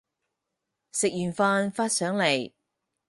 食完飯發上嚟